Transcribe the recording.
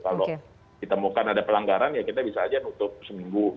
kalau ditemukan ada pelanggaran ya kita bisa aja nutup seminggu